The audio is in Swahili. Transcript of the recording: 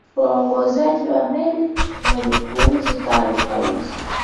waongozaji wa meli walipuuza taarifa hizo